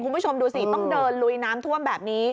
คุณผู้ชมดูสิต้องเดินลุยน้ำท่วมแบบนี้